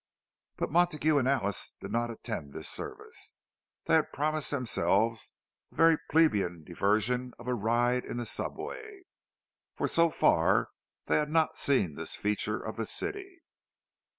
But Montague and Alice did not attend this service—they had promised themselves the very plebeian diversion of a ride in the subway; for so far they had not seen this feature of the city.